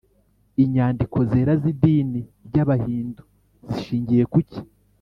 inyandiko zera z’idini ry’abahindu zishingiye ku ki?